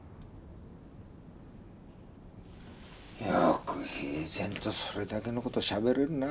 よく平然とそれだけの事をしゃべれるな。